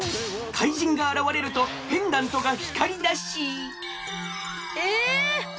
怪人があらわれるとペンダントがひかりだしええ！？